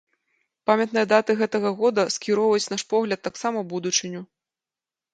Памятныя даты гэтага года скіроўваюць наш погляд таксама ў будучыню.